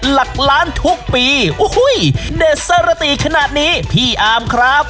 หลักล้านทุกปีโอ้โหเด็ดสรติขนาดนี้พี่อาร์มครับ